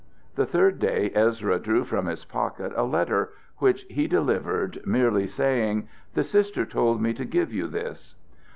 The third day Ezra drew from his pocket a letter, which he delivered, merely saying: "The Sister told me to give you this."